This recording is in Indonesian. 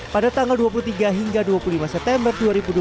pada tanggal dua puluh tiga hingga dua puluh lima september dua ribu dua puluh